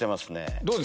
どうです？